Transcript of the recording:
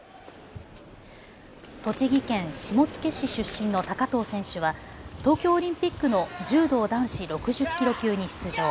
栃木県下野市出身の高藤選手は東京オリンピックの柔道男子６０キロ級に出場。